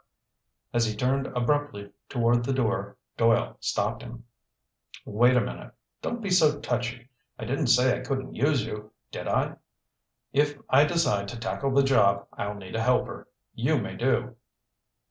As he turned abruptly toward the door, Doyle stopped him. "Wait a minute! Don't be so touchy! I didn't say I couldn't use you, did I? If I decide to tackle the job I'll need a helper. You may do."